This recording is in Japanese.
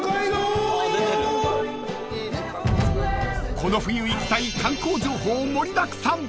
［この冬行きたい観光情報盛りだくさん］